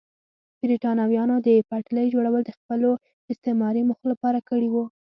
برېټانویانو د پټلۍ جوړول د خپلو استعماري موخو لپاره کړي وو.